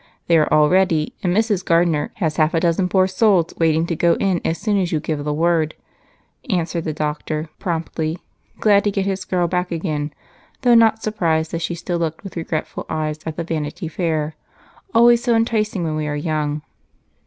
They are all ready, and Mrs. Gardner has half a dozen poor souls waiting to go in as soon as you give the word," answered the doctor promptly, glad to get his girl back again, though not surprised that she still looked with regretful eyes at the Vanity Fair, always so enticing when we are young.